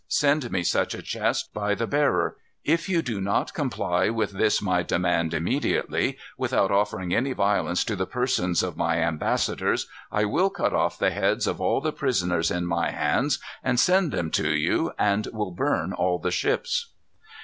Send me such a chest, by the bearer. If you do not comply with this my demand immediately, without offering any violence to the persons of my ambassadors, I will cut off the heads of all the prisoners in my hands, and send them to you, and will burn all the ships."